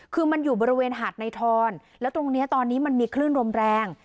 คือมันอยู่บริเวณหาดในทอนแล้วตรงนี้ตอนนี้มันมีคลื่นลมแรง